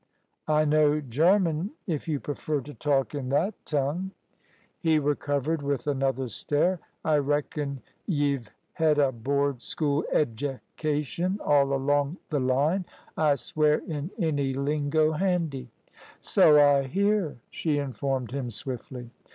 "I know German, if you prefer to talk in that tongue." He recovered with another stare. "I reckon y've hed a board school eddication all along th' line. I swear in any lingo handy " "So I hear," she informed him swiftly.